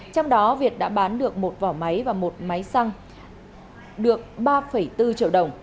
trong đó việt đã bán được một vỏ máy và một máy xăng được ba bốn triệu đồng